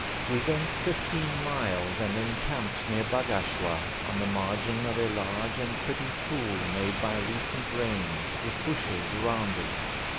We went fifteen miles and encamped near Bagashwa on the margin of a large and pretty pool made by recent rains, with bushes round it.